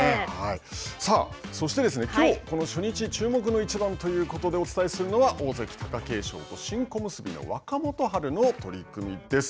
さあ、そしてですね、きょうこの初日、注目の一番ということでお伝えするのが大関・貴景勝と新小結の若元春の取組です。